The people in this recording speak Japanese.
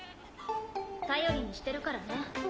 ・頼りにしてるからね。